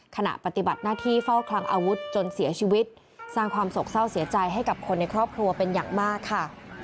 ขณะปฏิบัติหน้าที่เฝ้าคลังอาวุธจนเสียชีวิตสร้างความโศกเศร้าเสียใจให้กับคนในครอบครัวเป็นอย่างมากค่ะ